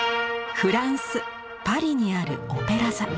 フランスパリにあるオペラ座。